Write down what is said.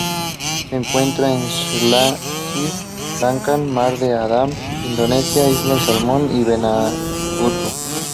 Se encuentra en Sri Lanka, Mar de Andaman, Indonesia, Islas Salomón y Vanuatu.